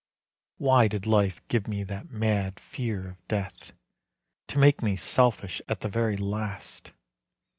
Why did life give me that mad fear of death, To make me selfish at the very last?